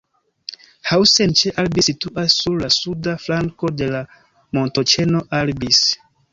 Hausen ĉe Albis situas sur la suda flanko de la montoĉeno Albis.